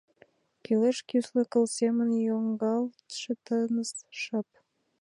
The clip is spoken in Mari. Кӱлеш кӱсле кыл семын йоҥгалтше тыныс шып!